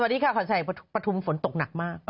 สวัสดีค่ะขอนชัยปฐุมฝนตกหนักมาก